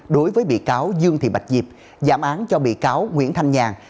đối với bị cáo dương thị bạch diệp giảm án cho bị cáo nguyễn thanh nhàn